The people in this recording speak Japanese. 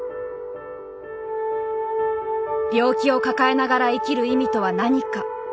病気を抱えながら生きる意味とは何か。